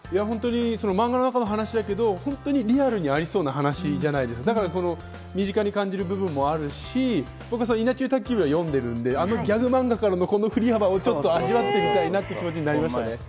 マンガの話だけれども、本当にリアルにありそうな話じゃないですか、身近に感じる部分もあるし、『稲中卓球部』を読んでいるので、あのギャグマンガからのこの振り幅を味わってみたいなという思いになりましたね。